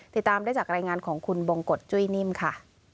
ติดตามได้จากรายงานของคุณบงกฎจุ้ยนิ่มค่ะ